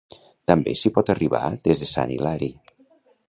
També s’hi pot arribar des de Sant Hilari.